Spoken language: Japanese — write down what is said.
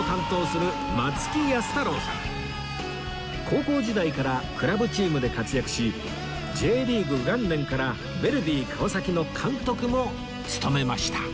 高校時代からクラブチームで活躍し Ｊ リーグ元年からヴェルディ川崎の監督も務めました